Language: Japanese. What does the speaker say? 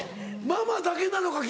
ママだけなのか